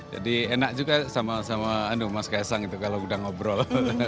jadi enak juga sama mas kaisang itu kalau sudah ngobrol